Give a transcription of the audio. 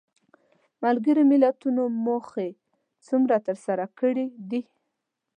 ملګرو ملتونو موخې څومره تر سره کړې دي؟